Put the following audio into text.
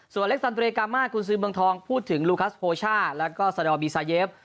ส่วนเล็กซันเรกามากุญซือเมืองทองพูดถึงลูคัสโพช่าแล้วก็ซาดอร์บีซาเยฟ